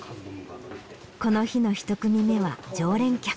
この日の１組目は常連客。